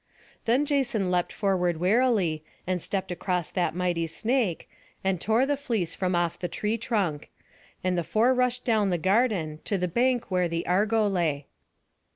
Then Jason leapt forward warily, and stept across that mighty snake, and tore the fleece from off the tree trunk; and the four rushed down the garden, to the bank where the Argo lay.